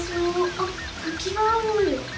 あったきがある！